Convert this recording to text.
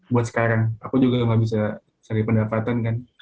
buat sekarang aku juga gak bisa cari pendapatan kan